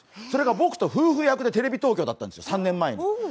それが僕と夫婦役でテレビ東京だったんですよ、３年前に。